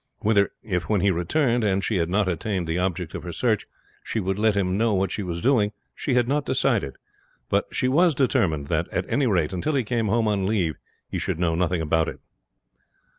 Whether if, when he returned, and she had not attained the object of her search she would let him know what she was doing she had not decided; but she was determined that at any rate until he came home on leave he should know nothing about it.